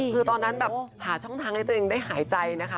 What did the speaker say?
คือตอนนั้นแบบหาช่องทางให้ตัวเองได้หายใจนะคะ